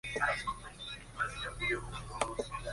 Jenny vuelve a hundirse en sus sueños.